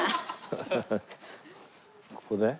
ここで？